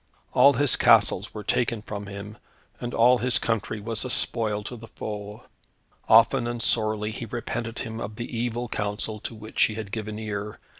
All his castles were taken from him, and all his country was a spoil to the foe. Often and sorely he repented him of the evil counsel to which he had given ear.